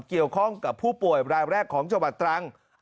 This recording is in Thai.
เกี่ยวข้องกับผู้ป่วยรายแรกของจังหวัดตรัง